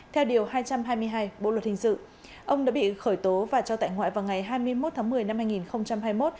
theo điều hai trăm hai mươi hai bộ luật hình sự ông đã bị khởi tố và cho tại ngoại vào ngày hai mươi một tháng một mươi năm hai nghìn hai mươi một